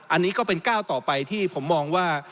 อันนี้ก็เป็นก้าวต่อไปที่ผมมองว่า